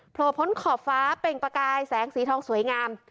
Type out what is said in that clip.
โผล่พ้นขอบฟ้าเปล่งประกายแสงสีทองสวยงาม